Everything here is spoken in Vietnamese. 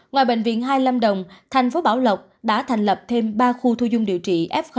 ngoài bệnh viện hai lâm đồng tp bảo lộc đã thành lập thêm ba khu thu dung điều trị f